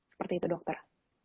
seperti itu dokter